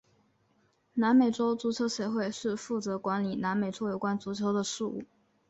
南美洲足球协会是负责管理南美洲有关足球的事务。